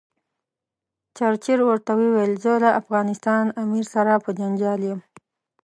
چرچل ورته وویل زه له افغانستان امیر سره په جنجال یم.